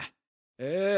ええ。